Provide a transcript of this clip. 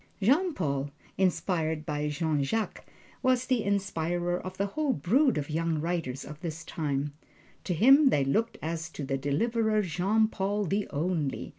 Jean Paul, inspired by Jean Jacques, was the inspirer of the whole brood of young writers of his time. To him they looked as to a Deliverer. Jean Paul the Only!